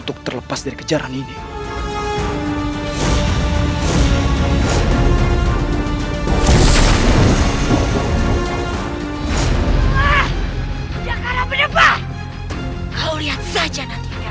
jangan lupa like share dan subscribe ya